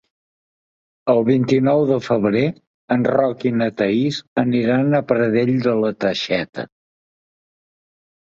El vint-i-nou de febrer en Roc i na Thaís aniran a Pradell de la Teixeta.